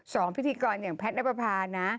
พิธีกรอย่างแพทย์นับประพานะ